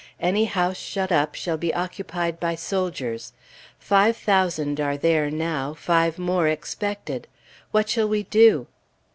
Any house shut up shall be occupied by soldiers. Five thousand are there now, five more expected. What shall we do?